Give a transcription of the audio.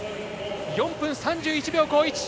４分３１秒５１！